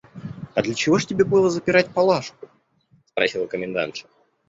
– «А для чего ж было тебе запирать Палашку? – спросила комендантша.